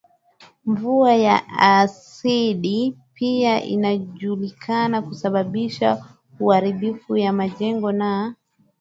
Mvua ya asidi pia inajulikana kusababisha uharibifu wa majengo na